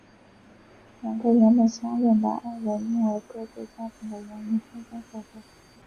两个原本相恋的爱人因为各自家庭的原因分分合合。